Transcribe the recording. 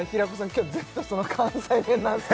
今日ずっとその関西弁なんすか？